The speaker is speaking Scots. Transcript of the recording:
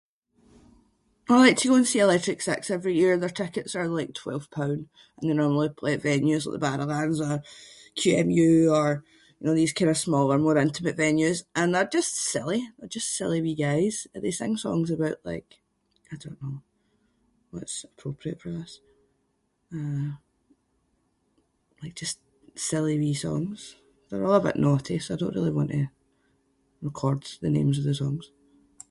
I like to go and see Electric Six every year, their tickets are like twelve pound and they normally play at venues like the Barrowlands or QMU or you know these kind of smaller more intimate venues. And they’re just silly, they’re just silly wee guys. They sing songs about like, I don’t know, what’s appropriate for this? Uh, like just silly wee songs. They’re all a bit naughty so I don’t really want to record the names of the songs.